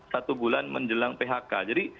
satu bulan menjelang phk jadi